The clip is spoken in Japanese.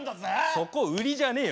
そこ売りじゃねえよ。